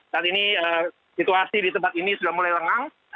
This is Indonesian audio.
saat ini situasi di tempat ini sudah mulai lengang